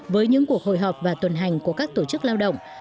với những cuộc hội họp và tuần hành của các tổ chức lao động